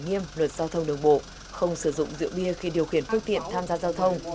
nghiêm luật giao thông đường bộ không sử dụng rượu bia khi điều khiển phương tiện tham gia giao thông